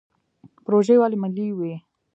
پروژې ولې ملي وي؟